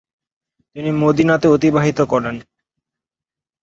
তিনি মদীনাতে অতিবাহিত করেন।